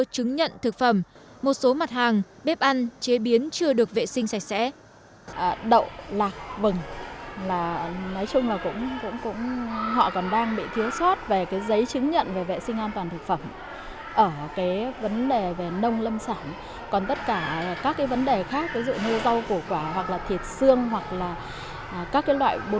chứng nhận thực phẩm một số mặt hàng bếp ăn chế biến chưa được vệ sinh sạch sẽ